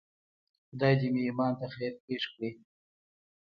خدای دې مې ایمان ته خیر پېښ کړي.